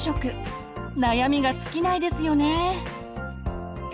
悩みが尽きないですよね。